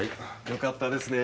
よかったですね。